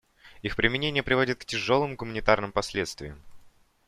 Их применение приводит к тяжелым гуманитарным последствиям.